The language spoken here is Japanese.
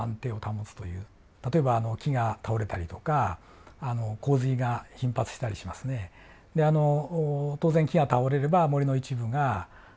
例えば木が倒れたりとか洪水が頻発したりしますねであの当然木が倒れれば森の一部が欠けてしまう。